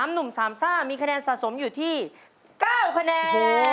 หนุ่ม๓ซ่ามีคะแนนสะสมอยู่ที่๙คะแนน